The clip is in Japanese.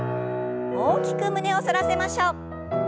大きく胸を反らせましょう。